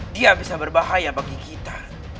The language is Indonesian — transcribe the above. dia bisa berbahaya bagi kita